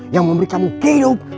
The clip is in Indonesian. yang memberi kamu hidup